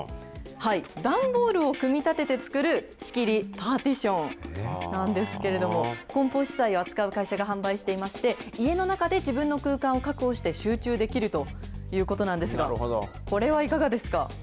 段ボールを組み立てて作る仕切り、パーテーションなんですけれども、こん包資材を扱う会社が販売していまして、家の中で自分の空間を確保して集中できるということなんですが、これはいかがですか？